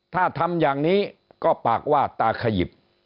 ถ้าทำอย่างนี้ก็ปากวาดตาขยิบ